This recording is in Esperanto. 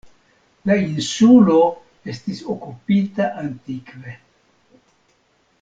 La insulo estis okupita antikve.